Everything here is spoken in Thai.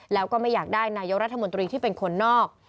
แล้วก็ไม่อยากได้นายกรัฐมนตรีที่เป็นคนนอก